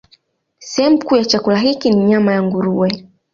Sehemu kuu ya chakula hiki ni nyama ya nguruwe.